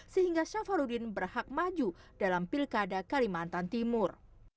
sehingga syafarudin berhak maju dalam pilkada kalimantan timur